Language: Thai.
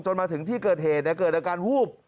มาถึงที่เกิดเหตุเกิดอาการวูบ